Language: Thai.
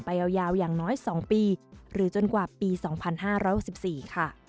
ยาวอย่างน้อย๒ปีหรือจนกว่าปี๒๕๖๔ค่ะ